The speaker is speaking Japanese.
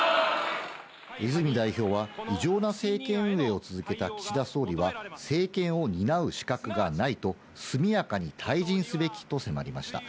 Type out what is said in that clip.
泉代表は異常な政権運営を続けた岸田総理は、政権を担う資格がないと、速やかに退陣すべきと迫りました。